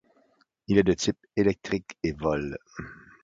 Il est de type électrique et vol.